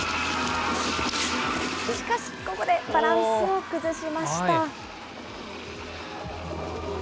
しかし、ここでバランスを崩しました。